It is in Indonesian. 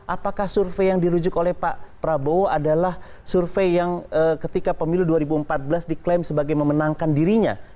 apakah survei yang dirujuk oleh pak prabowo adalah survei yang ketika pemilu dua ribu empat belas diklaim sebagai memenangkan dirinya